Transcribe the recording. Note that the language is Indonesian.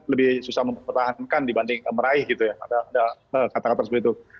lebih susah mempertahankan dibanding meraih gitu ya ada kata kata seperti itu